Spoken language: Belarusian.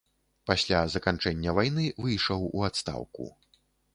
Пасля заканчэння вайны выйшаў у адстаўку.